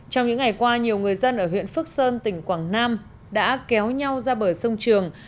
trong những ngày qua nhiều người dân ở huyện phước sơn tỉnh quảng nam đã kéo nhau ra bờ sông trường